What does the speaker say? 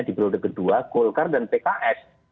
di periode kedua golkar dan pks